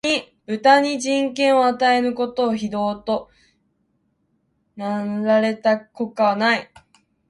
豚に人権を与えぬことを、非道と謗られた国家はない